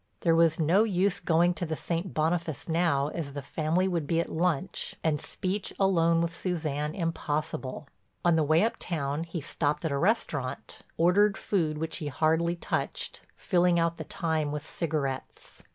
There was no use going to the St. Boniface now as the family would be at lunch and speech alone with Suzanne impossible. On the way uptown he stopped at a restaurant, ordered food which he hardly touched, filling out the time with cigarettes.